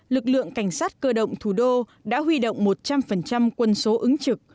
lực lượng cảnh sát cơ động thủ đô đã huy động một trăm linh quân số ứng trực